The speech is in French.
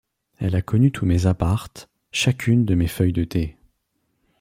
Elle a connu tous mes apparts, chacune de mes feuilles de thé.